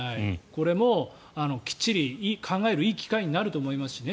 これもきっちり考えるいい機会になると思いますね